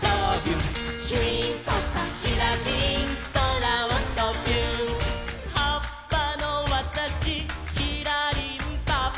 「しゅいーんぱっぱひらりんそらをとびゅーん」「はっぱのわたしひらりんぱ」